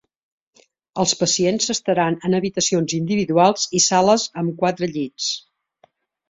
Els pacients s'estaran en habitacions individuals i sales amb quatre llits.